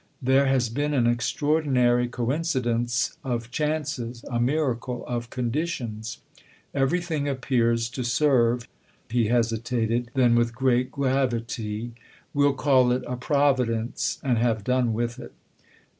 There has been an extraordinary coincidence of chances a miracle of conditions. Everything appears to serve." He hesitated; then with great gravity: "We'll call it a providence and have done with it."